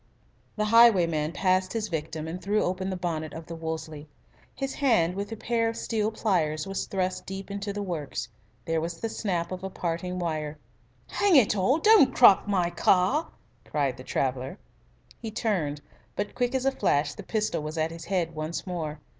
The highwayman passed his victim and threw open the bonnet of the Wolseley. His hand, with a pair of steel pliers, was thrust deep into the works. There was the snap of a parting wire. "Hang it all, don't crock my car!" cried the traveller. He turned, but quick as a flash the pistol was at his head once more.